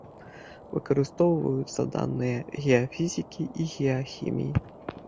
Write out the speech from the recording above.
Выкарыстоўваюцца даныя геафізікі і геахіміі.